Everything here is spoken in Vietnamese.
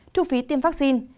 thu phí tiêm vaccine